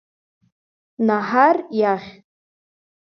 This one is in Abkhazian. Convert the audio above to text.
Наҳар иахь.